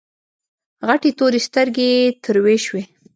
غټې تورې سترګې يې تروې شوې.